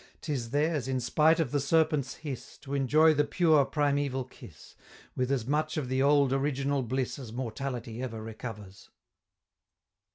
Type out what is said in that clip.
'Tis theirs, in spite of the Serpent's hiss, To enjoy the pure primeval kiss, With as much of the old original bliss As mortality ever recovers!